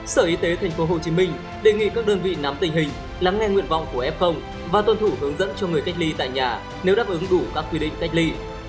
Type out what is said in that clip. sở y tế tp hcm đề nghị các đơn vị nắm tình hình lắng nghe nguyện vọng của f và tuân thủ hướng dẫn cho người cách ly tại nhà nếu đáp ứng đủ các quy định cách ly